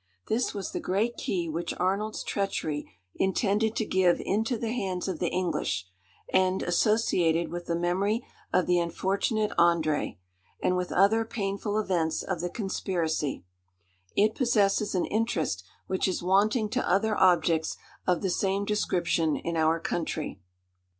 This was the great key which Arnold's treachery intended to give into the hands of the English; and, associated with the memory of the unfortunate André, and with other painful events of the conspiracy, it possesses an interest which is wanting to other objects of the same description in our country.